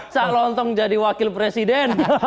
calontong jadi wakil presiden